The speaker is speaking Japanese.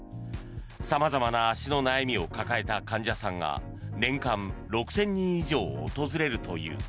様々な足の悩みを抱えた患者さんが年間６０００人以上訪れるという。